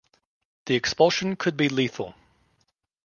The expulsion could be lethal.